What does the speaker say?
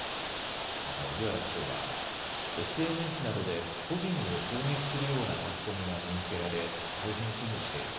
また、荻原市長は、ＳＮＳなどで個人を攻撃するような書き込みが見受けられ、大変危惧している。